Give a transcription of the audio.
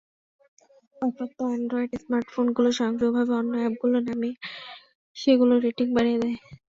আক্রান্ত Android smartphone স্বয়ংক্রিয়ভাবে অন্য অ্যাপগুলো নামিয়ে সেগুলোর রেটিং বাড়িয়ে দেয়।